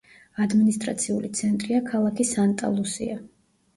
ადმინისტრაციული ცენტრია ქალაქი სანტა-ლუსია.